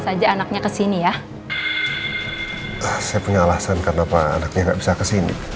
saya punya alasan kenapa anaknya gak bisa kesini